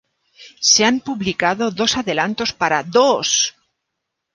Se han publicado dos adelantos para ¡Dos!